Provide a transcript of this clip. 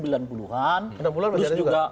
enam bulan masih ada juga